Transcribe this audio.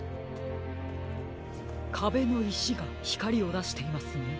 かべのいしがひかりをだしていますね。